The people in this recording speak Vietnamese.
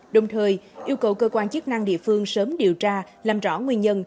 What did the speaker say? đồng thời yêu cầu cơ quan chức năng địa phương sớm điều tra làm rõ nguyên nhân